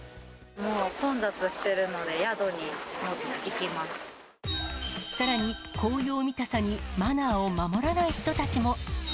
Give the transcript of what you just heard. もう混雑しているので、さらに、紅葉見たさにマナーを守らない人たちも。